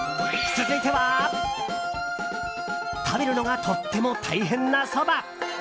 続いては食べるのがとっても大変なそば。